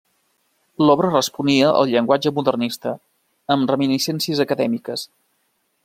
L'obra responia al llenguatge modernista, amb reminiscències acadèmiques.